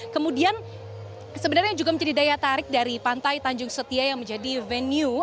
kemudian sebenarnya juga menjadi daya tarik dari pantai tanjung setia yang menjadi venue